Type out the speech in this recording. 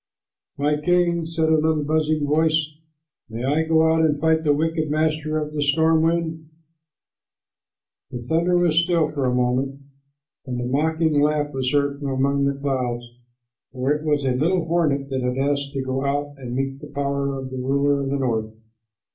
"My king," said a little buzzing voice, "may I go out and fight the wicked master of the storm wind?" The thunder was still for a moment, and a mocking laugh was heard from among the clouds, for it was a little hornet that had asked to go out and meet the power of the ruler of the north.